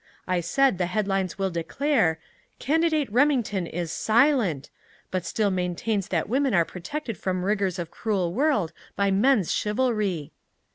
I said the headlines will declare: 'CANDIDATE REMINGTON is SILENT But Still Maintains That Women Are Protected from Rigors of Cruel World by Man's Chivalry.'"